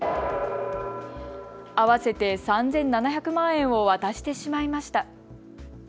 合わせて３７００万円を渡してしまいました。